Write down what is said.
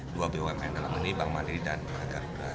dua bumn dalam ini bank mandiri dan garuda